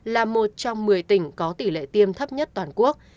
là một trong một mươi tỉnh có tỷ lệ tiêm thấp nhất toàn quốc